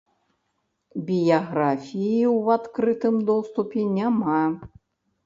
Біяграфіі ў адкрытым доступе няма.